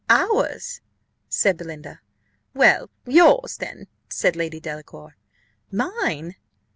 "Ours!" said Belinda. "Well, yours, then," said Lady Delacour. "Mine!"